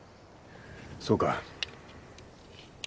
そうか。